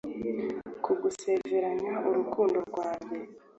kugusezeranya urukundo rwanjye